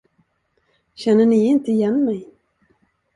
Känner ni inte igen mig?